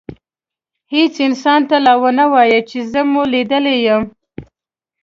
هیڅ انسان ته لا ونه وایئ چي زه مو لیدلی یم.